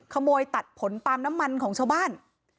ขโมยตัดผลปาล์มน้ำมันของชาวบ้าน